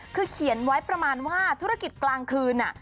คือเขียนไว้ประมาณว่าธุรกิจกลางคืน